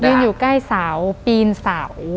อยู่ใกล้เสาปีนเสา